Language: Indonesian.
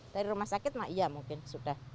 dari rumah sakit mah iya mungkin sudah